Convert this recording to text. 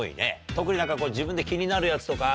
特に何か自分で気になるやつとかある？